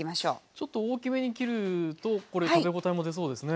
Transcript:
ちょっと大きめに切るとこれ食べ応えも出そうですね。